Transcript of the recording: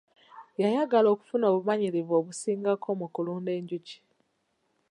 Yayagala okufuna obumanyirivu obusingako mu kulunda enjuki.